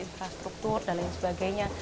infrastruktur dan lain sebagainya